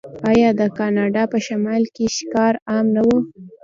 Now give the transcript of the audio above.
آیا د کاناډا په شمال کې ښکار عام نه و؟